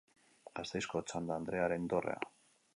Gasteizko Otsanda andrearen dorrea.